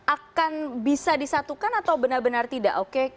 akan bisa disatukan atau benar benar tidak oke